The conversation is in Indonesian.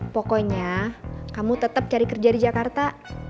pokoknya kamu tetap cari kerja di jakarta